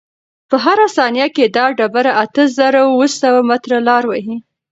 په هره ثانیه کې دا ډبره اته زره اوه سوه متره لاره وهي.